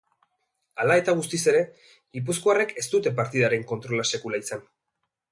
Hala eta guztiz ere, gipuzkoarrek ez dute partidaren kontrola sekula izan.